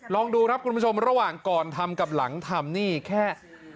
ลองดูครับคุณผู้ชมระหว่างก่อนทำกับหลังทำนี่แค่